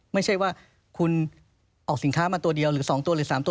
ไม่ใช่ว่าคุณออกสินค้ามาตัวเดียวหรือ๒ตัวหรือ๓ตัว